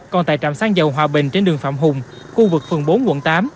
còn tại trạm xăng dầu hòa bình trên đường phạm hùng khu vực phường bốn quận tám